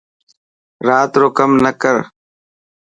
رات رو ڪم نه ڪر.